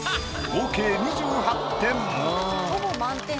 合計２８点。